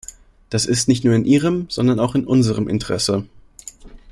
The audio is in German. Das ist nicht nur in ihrem, sondern auch in unserem Interesse.